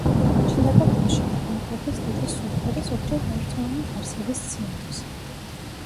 ჩნდება ქოშინი, გულმკერდის ტიპის სუნთქვა და ზოგჯერ ლორწოვანი გარსების ციანოზი.